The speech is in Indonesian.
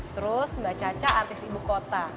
terus mbak caca artis ibu kota